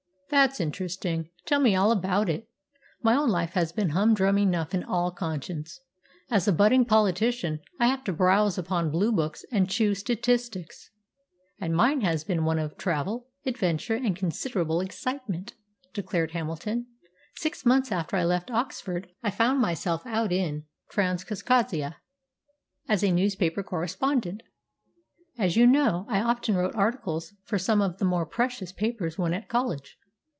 "That's interesting! Tell me all about it. My own life has been humdrum enough in all conscience. As a budding politician, I have to browse upon blue books and chew statistics." "And mine has been one of travel, adventure, and considerable excitement," declared Hamilton. "Six months after I left Oxford I found myself out in Transcaucasia as a newspaper correspondent. As you know, I often wrote articles for some of the more precious papers when at college.